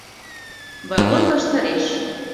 Вагон ваштареш